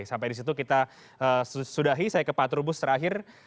sampai di situ kita sudahi saya ke pak trubus terakhir